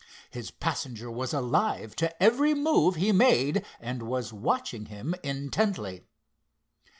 His passenger was alive to every move he made and was watching him intently.